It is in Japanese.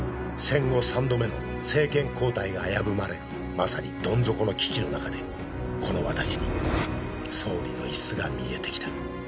戦後３度目の政権交代が危ぶまれるまさにどん底の危機の中でこの私に総理の椅子が見えてきた